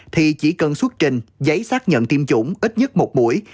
thì chỉ cần xuất trình giấy xác nhận tiêm chủng ít nhất một buổi